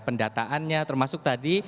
pendataannya termasuk tadi